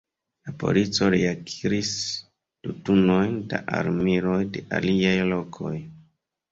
La polico reakiris du tunojn da armiloj de iliaj lokoj.